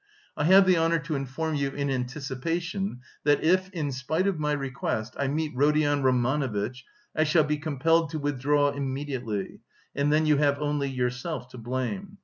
I have the honour to inform you, in anticipation, that if, in spite of my request, I meet Rodion Romanovitch, I shall be compelled to withdraw immediately and then you have only yourself to blame.